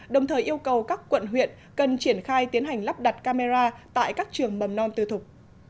đồng thời yêu cầu các quận huyện cần triển khai tiến hành lắp đặt camera tại các trường mầm non tư thục